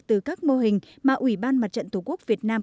từ các mô hình mà ủy ban mặt trận tổ quốc việt nam